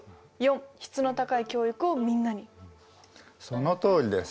そのとおりです。